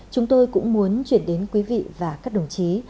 chúng tôi cũng muốn chuyển đến quý vị và các đồng chí